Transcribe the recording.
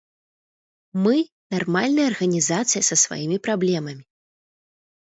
Мы нармальная арганізацыя, са сваімі праблемамі.